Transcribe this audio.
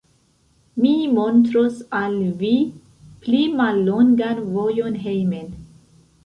Mi montros al vi pli mallongan vojon hejmen.